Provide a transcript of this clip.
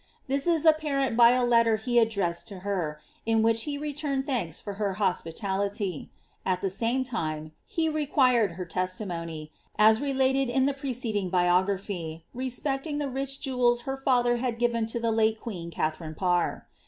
This ia apparent by a letter he addressed to her, in which he returned thanks for her hospitality; at the same time he required her testimony (as related in the preceding biography) respecting the rich jewels her father had given to the late queen Katha rine Parr.